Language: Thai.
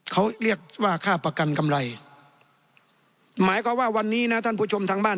เขาเรียกว่าค่าประกันกำไรหมายความว่าวันนี้นะท่านผู้ชมทางบ้าน